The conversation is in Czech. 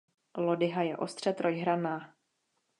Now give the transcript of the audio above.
Lodyha je ostře trojhranná.